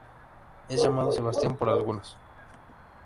Es llamado Sebastián por algunos.